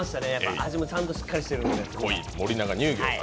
味もちゃんとしっかりしてるんで。